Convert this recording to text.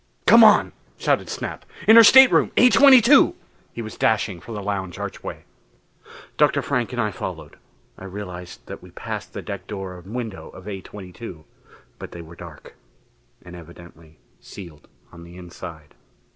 "Come on!" shouted Snap. "In her stateroom, A22!" He was dashing for the lounge archway. Dr. Frank and I followed. I realized that we passed the deck door and window of A22. But they were dark, and evidently sealed on the inside.